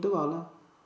tôi bảo là